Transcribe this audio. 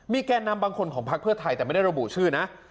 แก่นำบางคนของพักเพื่อไทยแต่ไม่ได้ระบุชื่อนะ